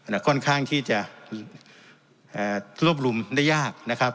ค่อนข้างที่จะเอ่อรวบรวมได้ยากนะครับ